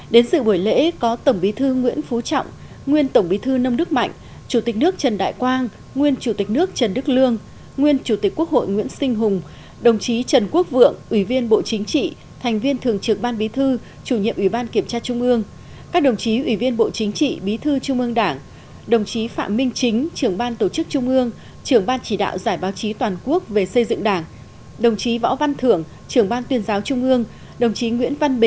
đến sự buổi lễ có tổng bí thư nguyễn phú trọng nguyên tổng bí thư nông đức mạnh chủ tịch nước trần đại quang nguyên chủ tịch nước trần đức lương nguyên chủ tịch quốc hội nguyễn sinh hùng đồng chí trần quốc vượng ủy viên bộ chính trị thành viên thường trưởng ban bí thư chủ nhiệm ủy ban kiểm tra trung ương các đồng chí ủy viên bộ chính trị bí thư trung ương đảng đồng chí phạm minh chính trưởng ban tổ chức trung ương trưởng ban chỉ đạo giải báo chí toàn quốc về xây dựng đảng đồng chí võ văn thưởng